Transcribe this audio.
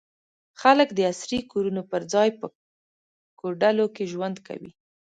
خلک د عصري کورونو پر ځای په کوډلو کې ژوند کوي.